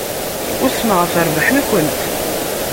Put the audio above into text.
Usmeɣ ɣef rrbeḥ-nkent.